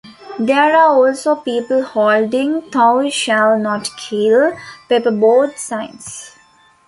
There are also people holding "Thou shall not kill" paperboard signs.